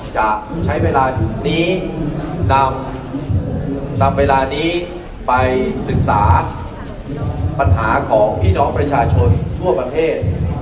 จะใช้เวลานี้นำเวลานี้ไปศึกษาปัญหาของพี่น้องประชาชนทั่วประเทศ